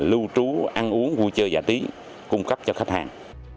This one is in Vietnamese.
lưu trú ăn uống vui chơi giả tí cung cấp cho khách hàng